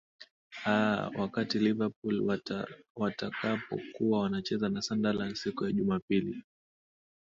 aa wakati liverpool wata watakapo kuwa wanacheza na sunderland siku ya jumapili